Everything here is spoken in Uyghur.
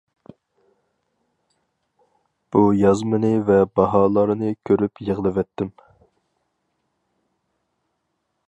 بۇ يازمىنى ۋە باھالارنى كۆرۈپ يىغلىۋەتتىم!